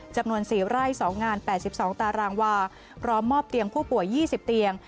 จำนวน๔ไร่๒งาน๘๒ตารางวาพร้อมมอบเตียงผู้ป่วย๒๐เตียง